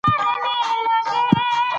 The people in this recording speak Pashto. فرهنګ د ښو او بدو تر منځ توپیر ښيي.